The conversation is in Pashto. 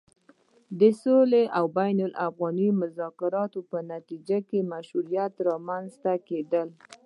د سولې او بين الافغاني مذاکرې په نتيجه کې د مشروعيت رامنځته کېدل